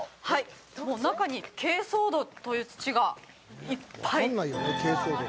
はい、中に珪藻土という土がいっぱい。